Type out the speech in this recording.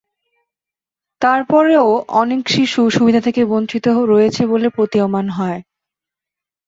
তার পরও অনেক শিশু সুবিধা থেকে বঞ্চিত রয়েছে বলে প্রতীয়মান হয়।